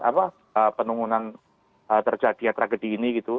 apa penurunan terjadinya tragedi ini gitu